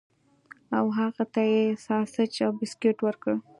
او هغه ته یې ساسج او بسکټ ورکړل